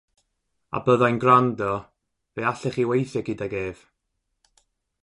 A byddai'n gwrando ... Fe allech chi weithio gydag ef.